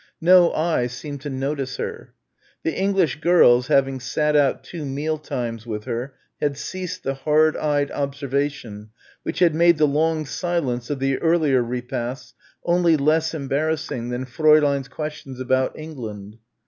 No eye seemed to notice her. The English girls having sat out two meal times with her, had ceased the hard eyed observation which had made the long silence of the earlier repasts only less embarrassing than Fräulein's questions about England.